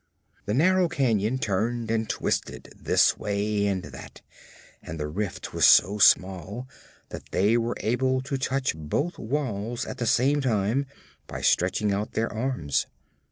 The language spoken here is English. The narrow canyon turned and twisted this way and that, and the rift was so small that they were able to touch both walls at the same time by stretching out their arms.